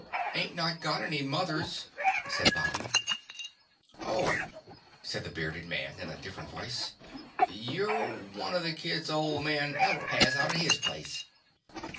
"Ain't not got any mothers," said Bobby. "Oh," said the bearded man in a different voice, "you're one of the kids old man Eller has out to his place."